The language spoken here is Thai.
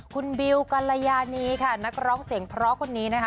คุณบิวกัลยานีค่ะนักร้องเสียงเพราะคนนี้นะคะ